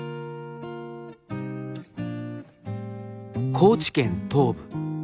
高知県東部。